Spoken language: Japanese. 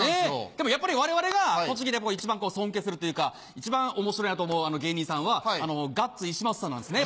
でもやっぱり我々が栃木で一番尊敬するというか一番面白いなと思う芸人さんはガッツ石松さんなんですね。